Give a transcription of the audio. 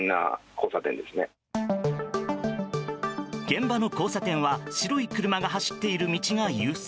現場の交差点は白い車が走っている道が優先。